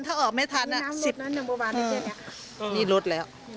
ถ้าออกไม่ทันอะนี่รถแล้ว